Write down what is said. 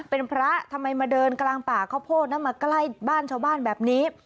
เป็นพระทำไมมาเดินกลางป่าข้าวโพดนะมาใกล้บ้านชาวบ้านแบบนี้